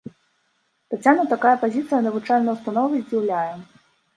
Таццяну такая пазіцыя навучальнай установы здзіўляе.